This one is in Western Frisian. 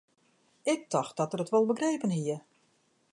Ik tocht dat er it wol begrepen hie.